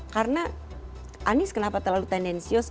karena anis kenapa terlalu tendenis